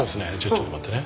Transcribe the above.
ちょっと待ってね。